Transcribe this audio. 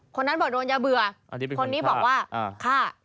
คนนั้นบอกโดนยาเบื่อคนนี้บอกว่าฆ่า